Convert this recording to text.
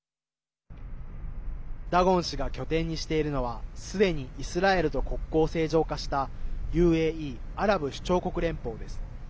ダゴン氏が拠点にしているのはすでに、イスラエルと国交を正常化したＵＡＥ＝アラブ首長国連邦です。